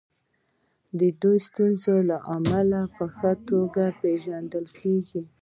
د دې ستونزې عوامل په ښه توګه پېژندل کیږي.